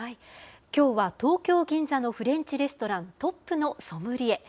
きょうは東京・銀座のフレンチレストラン、トップのソムリエ。